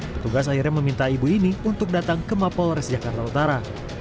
petugas akhirnya meminta ibu ini untuk datang ke mapol res jakarta utara